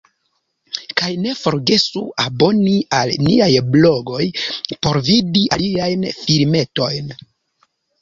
Kaj ne forgesu aboni al niaj blogoj por vidi aliajn filmetojn!